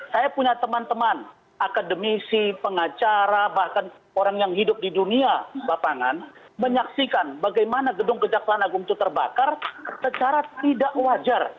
saya punya teman teman akademisi pengacara bahkan orang yang hidup di dunia bapangan menyaksikan bagaimana gedung kejaksaan agung itu terbakar secara tidak wajar